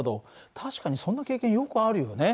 確かにそんな経験よくあるよね。